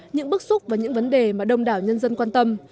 những bức xúc và những vấn đề mà đông đảo nhân dân quan tâm